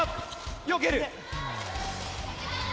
よける。